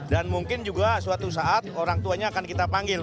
dan mungkin juga suatu saat orang tuanya akan kita panggil